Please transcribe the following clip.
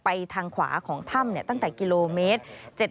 ทางขวาของถ้ำตั้งแต่กิโลเมตร